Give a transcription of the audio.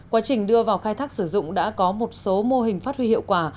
quá trình đưa vào khai thác sử dụng đã có một số mô hình phát huy hiệu quả